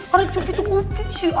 harus cubit cukup sih